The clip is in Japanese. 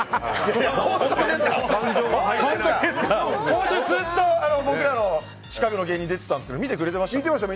今週ずっと僕らの近くの芸人出てたんですけど見てくれてました？